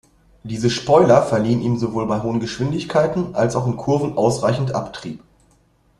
Diese Spoiler verliehen ihm sowohl bei hohen Geschwindigkeiten als auch in Kurven ausreichend Abtrieb.